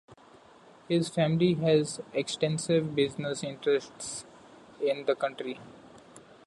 His family has extensive business interests in the country.